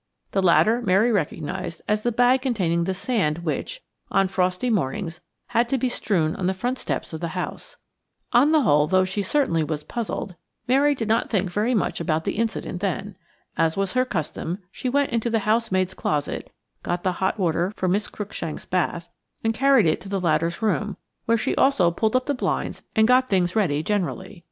The latter Mary recognised as the bag containing the sand which, on frosty mornings, had to be strewn on the front steps of the house. On the whole, though she certainly was puzzled, Mary did not think very much about the incident then. As was her custom, she went into the housemaid's closet, got the hot water for Miss Cruikshank's bath, and carried it to the latter's room, where she also pulled up the blinds and got things ready generally.